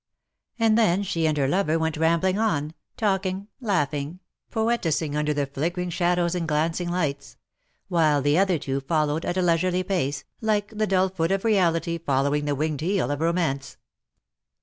And then she and her lover went rambling on, talking, laughing, poetising under the flickering shadows and glancing lights ; while the other two followed at a leisurely pace, like the dull foot of reality following the winged heel of romance.